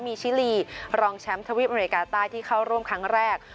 มีชิลีรองแชมป์ทวีปอเมริกาใต้ที่เข้าร่วมครั้งแรก